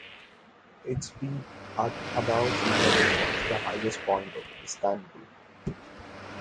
Its peak at above sea level is the highest point of Istanbul.